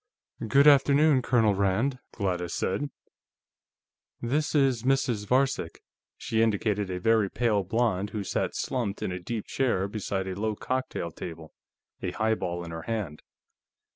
"Good afternoon, Colonel Rand," Gladys said. "This is Mrs. Varcek." She indicated a very pale blonde who sat slumped in a deep chair beside a low cocktail table, a highball in her hand.